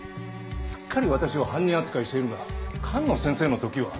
すっかり私を犯人扱いしているが寒野先生の時は？